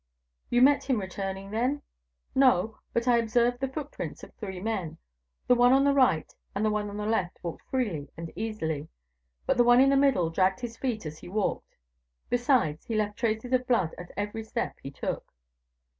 "You met him returning, then?" "No; but I observed the footprints of three men; the one on the right and the one on the left walked freely and easily, but the one in the middle dragged his feet as he walked; besides, he left traces of blood at every step he took."